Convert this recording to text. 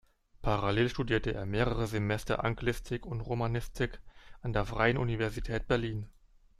Parallel studierte er mehrere Semester Anglistik und Romanistik an der Freien Universität Berlin.